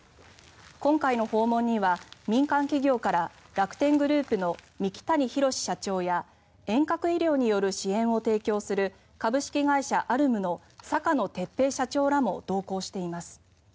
今回の訪問には、民間企業から楽天グループの三木谷浩史社長や遠隔医療による支援を提供する株式会社アルムの坂野哲平社長らも同行しています。